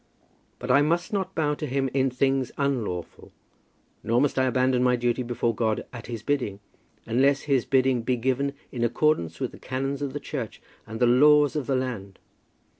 But I must not bow to him in things unlawful, nor must I abandon my duty before God at his bidding, unless his bidding be given in accordance with the canons of the Church and the laws of the land.